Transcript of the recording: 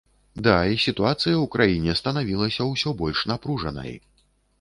Да, і сітуацыя ў краіне станавілася ўсё больш напружанай.